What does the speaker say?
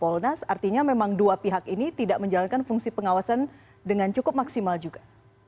kompolnas artinya memang dua pihak ini tidak menjalankan fungsi pengawasan dengan cukup maksimal juga